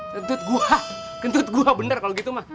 kentut gua kentut gua bener kalo gitu mas